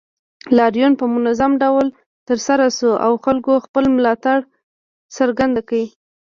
لاریون په منظم ډول ترسره شو او خلکو خپل ملاتړ څرګند کړ